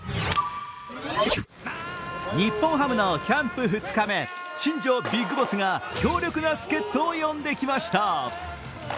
日本ハムのキャンプ２日目、新庄ビッグボスが強力な助っ人を呼んできました。